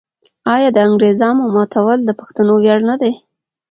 آیا د انګریزامو ماتول د پښتنو ویاړ نه دی؟